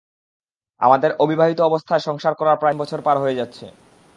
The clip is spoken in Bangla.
আমাদের অবিবাহিত অবস্থায় সংসার করার প্রায় তিন বছর পার হয়ে যাচ্ছে।